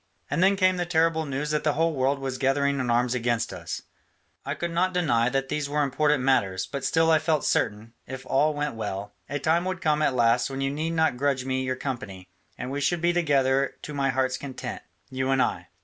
And then came the terrible news that the whole world was gathering in arms against us; I could not deny that these were important matters, but still I felt certain, if all went well, a time would come at last when you need not grudge me your company, and we should be together to my heart's content, you and I.